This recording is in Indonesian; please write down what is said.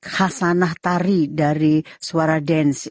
hasanah tari dari suara dance